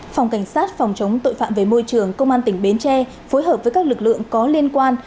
phòng cảnh sát phòng chống tội phạm về môi trường công an tỉnh bến tre phối hợp với các lực lượng có liên quan